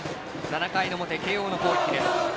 ７回の表、慶応の攻撃。